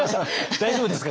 大丈夫ですか？